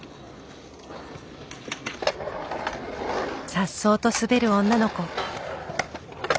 さっそうと滑る女の子。